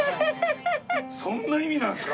そんな意味なんですか？